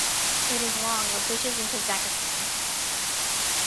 It is long, of which is in Kazakhstan.